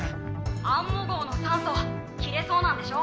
「アンモ号の酸素切れそうなんでしょ」。